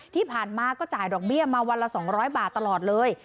ที่ผ่านมาก็จ่ายดอกเบี้ยมาวันละ๒๐๐บาทตลอดเลย